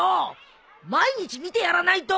毎日見てやらないと。